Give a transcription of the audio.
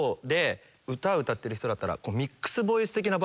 歌歌ってる人だったら。